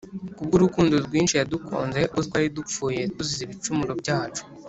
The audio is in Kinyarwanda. Kubw’urukundo rwinshi yadukunze, ubwo twari dupfuye tuzize ibicumuro byacu,